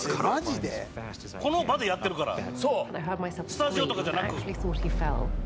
「スタジオとかじゃなく」